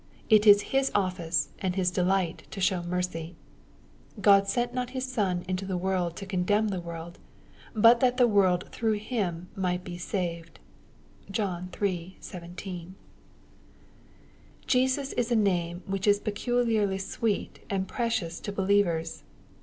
It is His office and His de light to show mercy. " God sent not His Son into the world to condemn the world, but that the world through Him might be saved." (John iii. 17.) Jesus is a name, which is peculiarly sweet and precious to believers.